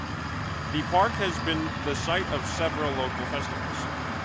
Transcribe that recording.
The park has been the site of several local festivals.